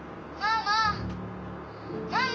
ママ！